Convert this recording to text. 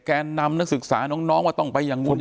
แกนนำนักศึกษาน้องว่าต้องไปอย่างนู้น